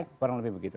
kurang lebih begitu